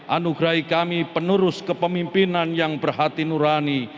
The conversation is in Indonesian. anugerahi kami penerus kepemimpinan yang berhati nurani